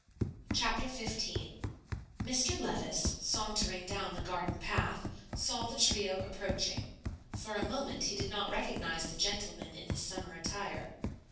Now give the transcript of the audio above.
Chapter XV Mr. Levice, sauntering down the garden path, saw the trio approaching. For a moment he did not recognize the gentleman in his summer attire.